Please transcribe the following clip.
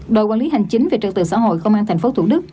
đội quản lý hành chính về trận tựa xã hội công an tp thủ đức